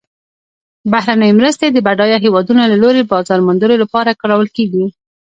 بهرنۍ مرستې د بډایه هیوادونو له لوري بازار موندلو لپاره کارول کیږي.